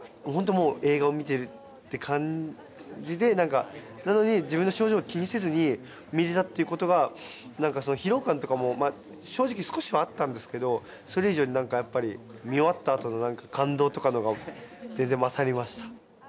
もう映画を見てるって感じで何かなのに自分の症状気にせずに見れたっていうことが何か疲労感とかもまあ正直少しはあったんですけどそれ以上に何かやっぱり見終わったあとの何か感動とかの方が全然勝りました